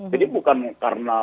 jadi bukan karena